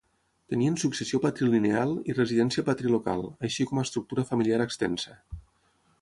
Tenien successió patrilineal i residència patrilocal, així com estructura familiar extensa.